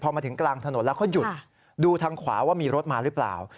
พอมาถึงกลางถนนแล้วเขาหยุดดูทางขวาว่ามีรถมาหรือเปล่า